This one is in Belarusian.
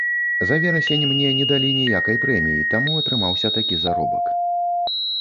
За верасень мне не далі ніякай прэміі, таму атрымаўся такі заробак.